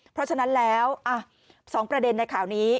เพราะฉะนั้นแล้ว๒ประเด็นในข่าวนี้